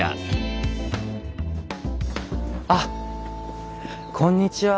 あっこんにちは